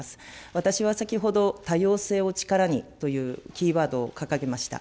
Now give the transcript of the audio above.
私は先ほど、多様性を力にというキーワードを掲げました。